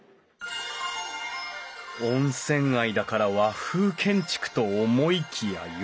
温泉街だから和風建築と思いきや洋館！